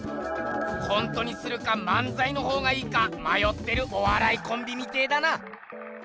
コントにするか漫才のほうがいいかまよってるおわらいコンビみてえだな！